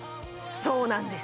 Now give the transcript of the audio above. そうなんです！